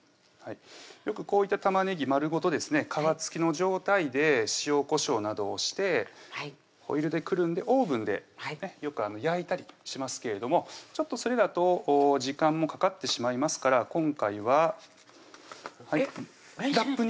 よくこういった玉ねぎ丸ごとですね皮付きの状態で塩・こしょうなどをしてホイルで包んでオーブンでよく焼いたりしますけれどもちょっとそれだと時間もかかってしまいますから今回ははいえっ？